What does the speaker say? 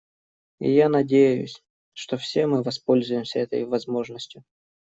И я надеюсь, что все мы воспользуемся этой возможностью.